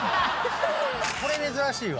「これ珍しいわ」